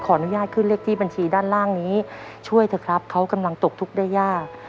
อนุญาตขึ้นเลขที่บัญชีด้านล่างนี้ช่วยเถอะครับเขากำลังตกทุกข์ได้ยาก